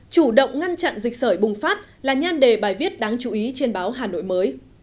chủ động ngăn chặn dịch sởi bùng phát là nhan đề bài viết đáng chú ý trên báo hà nội mới